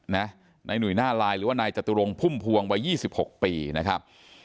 นายหนุ่ยหน้าลายหรือว่านายจตุรงพุ่มพวงวัย๒๖ปีนะครับ